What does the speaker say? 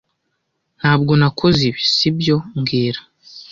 Ntabwo nakoze ibi, sibyo mbwira